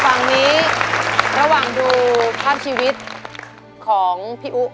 ฝั่งนี้ระหว่างดูภาพชีวิตของพี่อุ๊